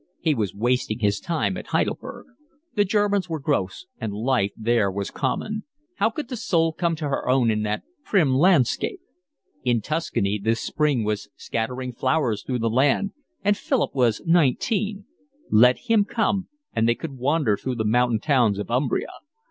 He was wasting his time at Heidelberg. The Germans were gross and life there was common; how could the soul come to her own in that prim landscape? In Tuscany the spring was scattering flowers through the land, and Philip was nineteen; let him come and they could wander through the mountain towns of Umbria.